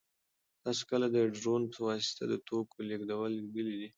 تاسو کله د ډرون په واسطه د توکو لېږدول لیدلي دي؟